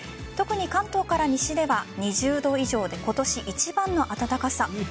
特に関東から西では２０度以上で今年一番の暖かさ。